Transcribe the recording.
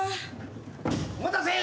「お待たせ。